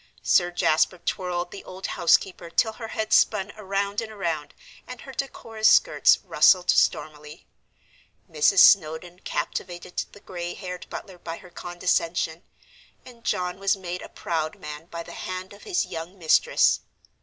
Sir Jasper twirled the old housekeeper till her head spun around and around and her decorous skirts rustled stormily; Mrs. Snowdon captivated the gray haired butler by her condescension; and John was made a proud man by the hand of his young mistress.